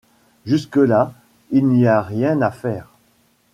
Jusque-là, il n’y a rien à faire.